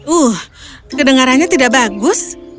uh kedengarannya tidak bagus